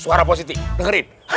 suara positi dengerin